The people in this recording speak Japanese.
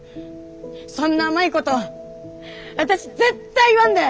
そんな甘いこと私絶対言わんで！